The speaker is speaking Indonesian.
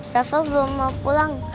rafa belum mau pulang